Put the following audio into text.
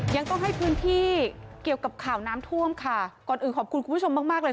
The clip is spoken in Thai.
ยังต้องให้พื้นที่เกี่ยวกับข่าวน้ำท่วมค่ะก่อนอื่นขอบคุณคุณผู้ชมมากมากเลย